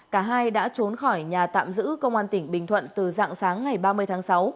cả hai đã trốn khỏi nhà tạm giữ công an tỉnh bình thuận từ dạng sáng ngày ba mươi tháng sáu